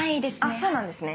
そうなんですね。